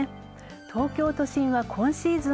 東京都心は今シーズン